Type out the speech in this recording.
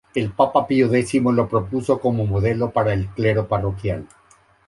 El papa Pío X lo propuso como modelo para el clero parroquial.